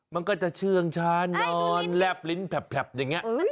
มันก็จะเชื่องช้านอนแลบลิ้นแผบอย่างนี้